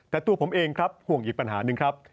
แต่ตัวผมเองครับห่วงอีกปัญหาหนึ่งครับ